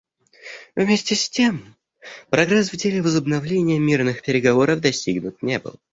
Вместе с тем прогресс в деле возобновления мирных переговоров достигнут не был.